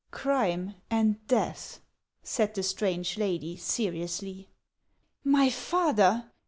" Crime and death," said the strange lady, seriously. "My father!